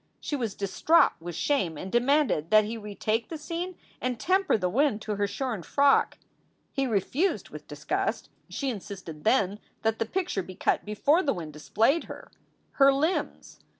she was distraught with shame and demanded that he retake the scene and tem per the wind to her shorn frock. He refused with disgust. She insisted then that the picture be cut before the wind displayed her her limbs.